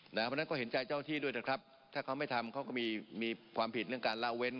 เพราะฉะนั้นก็เห็นใจเจ้าที่ด้วยนะครับถ้าเขาไม่ทำเขาก็มีความผิดเรื่องการล่าเว้น